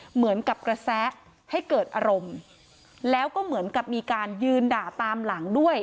เหมือนกับกระแสะให้เกิดอารมณ์แล้วก็เหมือนกับมีการยืนด่าตามหลังด้วย